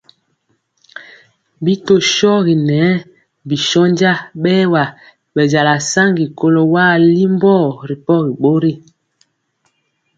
Bi tɔ shogi ŋɛɛ bi shónja bɛɛwa bɛnjala saŋgi kɔlo wa alimbɔ ripɔgi bori.